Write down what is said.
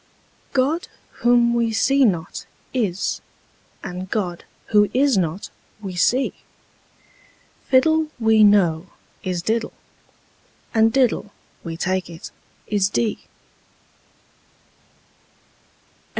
God, whom we see not, is: and God, who is not, we see: Fiddle, we know, is diddle: and diddle, we take it, is dee.